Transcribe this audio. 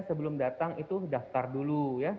sebelum datang itu daftar dulu ya